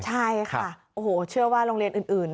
ใช่ค่ะโอ้โหเชื่อว่าโรงเรียนอื่น